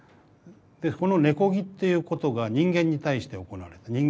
でこの「根こぎ」っていうことが人間に対して行われた。